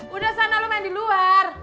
udah sana lu main di luar